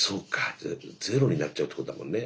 じゃあゼロになっちゃうってことだもんね。